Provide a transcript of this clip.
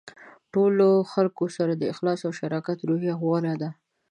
د ټولو خلکو سره د اخلاص او شراکت روحیه غوره کول.